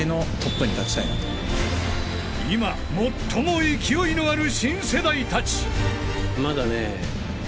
［今最も勢いのある新世代たち］